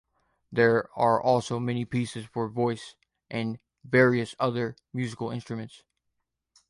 There are also many pieces for voice, and various other musical instruments.